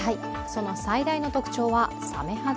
その最大の特徴はサメ肌？